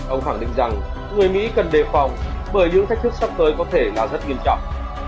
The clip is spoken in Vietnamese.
ông khẳng định rằng người mỹ cần đề phòng bởi những thách thức sắp tới có thể là rất nghiêm trọng